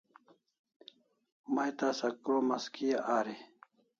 May tasa kromas kia ari?